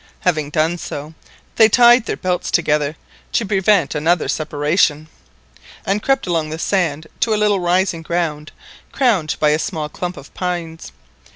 Having done so, they tied their belts together to prevent another separation, and crept along the sand to a little rising ground crowned by a small clump of pines.